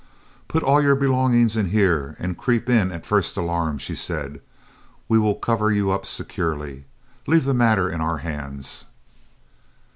"Put all your belongings in here and creep in at the first alarm," she said. "We will cover you up securely. Leave the matter in our hands."